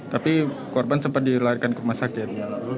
tapi korban sempat dilarikan ke rumah sakit